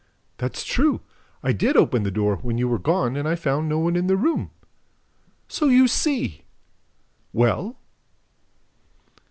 "That's true! I did open the door, when you were gone, and I found no one in the room." "So you see! ... Well?"